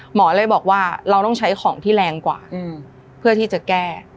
หมอเลยบอกว่าเราต้องใช้ของที่แรงกว่าเพื่อที่จะแก้